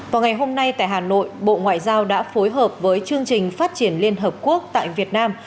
vào ngày hôm nay tại hà nội bộ ngoại giao đã phối hợp với chương trình phát triển liên hợp quốc tại việt nam